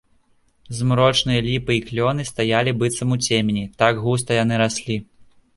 Змрочныя ліпы і клёны стаялі быццам у цемені, так густа яны раслі.